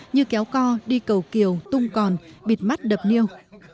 như kéo co đi cầu kiều tung còn bịt mắt đập niêu